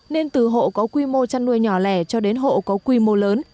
nên từ hộ có quy mô chăn nuôi nhỏ lẻ cho đến hộ có quy mô lớn